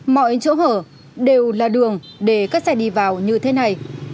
mọi chỗ hở đều là đường để các xe đi vào như thế này